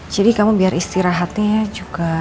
jadi kamu biar istirahatnya juga